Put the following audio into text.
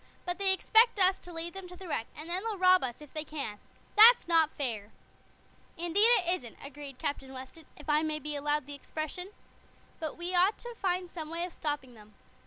But they expect us to lead them to the wreck, and then they'll rob us if they can. That's not fair." "Indeed, it isn't," agreed Captain Weston, "if I may be allowed the expression. We ought to find some way of stopping them.